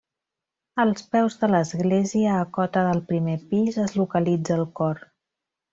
Als peus de l'església -a cota del primer pis- es localitza el cor.